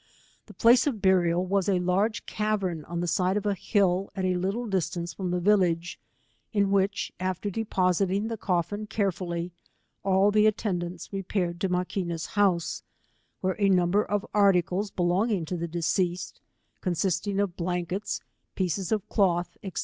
The place of burial was a large cavern on the side of a hill at a little distance from the village, in which, after depositing the coffin carefully, all the at tendants repaired to Waquina's house,, where a cumber of articles belonging to the deceased, con sisting of blankets, pieces of cloth, &c.